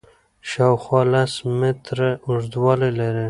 شاوخوا لس متره اوږدوالی لري.